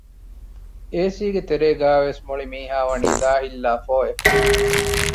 އޭސީގެ ތެރޭގައިވެސް މުޅި މީހާ ވަނީ ދާހިތްލާ ފޯވެފަ